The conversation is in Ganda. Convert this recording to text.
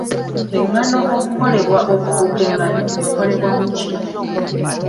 Engano okukolebwa okufuuka engano ekolebwa mu ki?